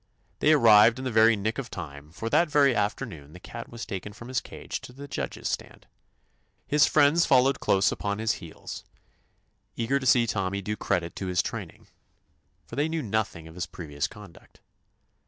They arrived in the very nick of time, for that very afternoon the cat was taken from his cage to the judges' stand. His friends fol lowed close upon his heels, eager 131 THE ADVENTURES OF to see Tommy do credit to his train ing, for they knew nothing of his pre vious conduct.